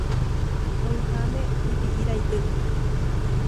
oĩháme pipi'i raity